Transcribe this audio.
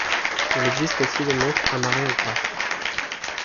Il existe aussi des montres à maréographe.